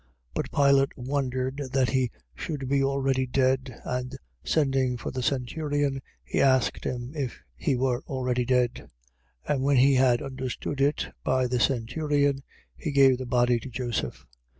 15:44. But Pilate wondered that he should be already dead. And sending for the centurion, he asked him if he were already dead. 15:45. And when he had understood it by the centurion, he gave the body to Joseph.